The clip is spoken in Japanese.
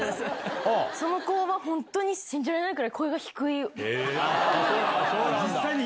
その子は本当に信じられないくらい声が低い。